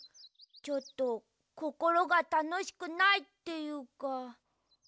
ちょっとこころがたのしくないっていうか。